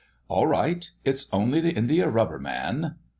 "All right; it's only the Indiarubber Man."